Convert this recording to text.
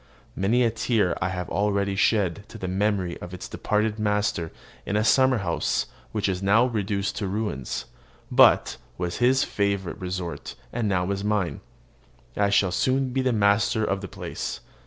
Many a tear have I already shed to the memory of its departed master in a summer house which is now reduced to ruins, but was his favourite resort, and now is mine. I shall soon be master of the place.